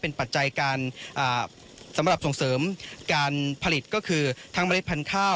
เป็นปัจจัยการสำหรับส่งเสริมการผลิตก็คือทั้งเมล็ดพันธุ์ข้าว